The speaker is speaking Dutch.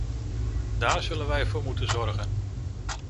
Daar zullen wij voor moeten zorgen.